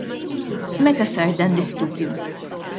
Meta sar dan l-istudju?